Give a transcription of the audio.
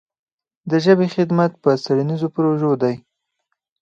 د ژبې خدمت په څېړنیزو پروژو دی.